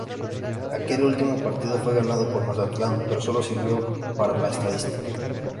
Aquel último partido fue ganado por Mazatlán pero sólo sirvió para la estadística.